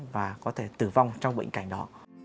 và có thể tử vong trong bệnh cảnh đó